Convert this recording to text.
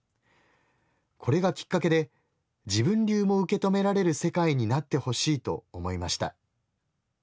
これがキッカケで自分流も受け止められる世界になって欲しいと思いました」。